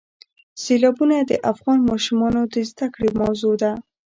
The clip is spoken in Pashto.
سیلابونه د افغان ماشومانو د زده کړې موضوع ده.